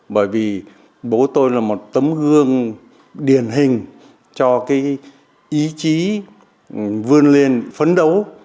bởi vì bố tôi là một tấm gương điển hình cho cái ý chí vươn lên phấn đấu